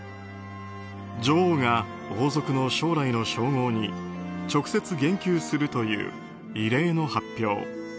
女王が王族の将来の称号に直接言及するという異例の発表。